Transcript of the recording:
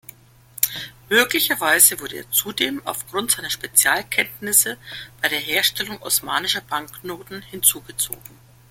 Möglicherweise wurde er zudem auf Grund seiner Spezialkenntnisse bei der Herstellung osmanischer Banknoten hinzugezogen.